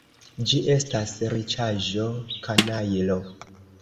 Ĝi estas riĉaĵo, kanajlo!